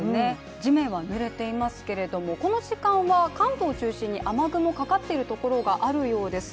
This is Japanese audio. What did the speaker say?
地面はぬれていますけれどもこの時間は関東中心に雨雲かかっているところがあるようです。